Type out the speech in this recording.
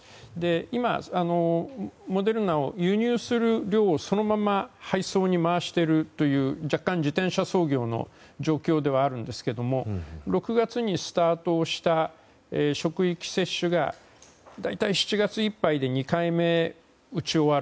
今、モデルナを輸入する量をそのまま配送に回しているという若干、自転車操業のような状況ではあるんですけども６月にスタートした職域接種が大体７月いっぱいで２回目を打ち終わる。